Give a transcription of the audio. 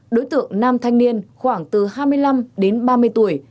đối tượng nam thanh niên khoảng từ hai mươi năm đến ba mươi tuổi